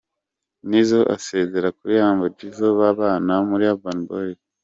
Nizzo asezera kuri Humble Jizzo babana muri Urban Boys.